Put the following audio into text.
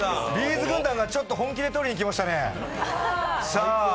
’ｚ軍団がちょっと本気でとりにきましたね。